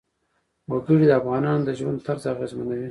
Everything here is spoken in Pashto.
وګړي د افغانانو د ژوند طرز اغېزمنوي.